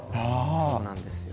そうなんですよ。